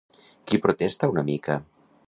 Qui protesta una mica?